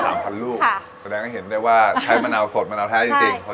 สามพันรูปค่ะแสดงให้เห็นได้ว่าใช้มะนาวสดมะนาวแท้จริงจริงใช่